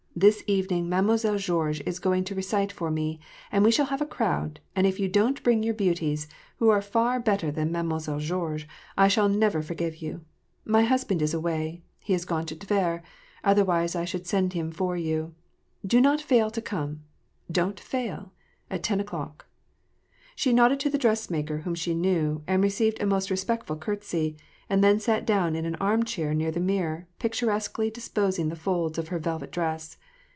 This evening Mademoiselle Georges is going to recite for me, and we shall have a crowd, and if you don't bring your beauties, who are far better than Mademoi selle Georges, I shall never forgive you. My husband is away, he is gone to Tver ; otherwise I should send him for you. Do not fail to come. Don't fail — at ten o'clock." She nodded to the dressmaker, whom she knew, and received a most respectful courtesy, and then sat down in an arm chair near the mirror, picturesquely disposing the folds of her velvet dress.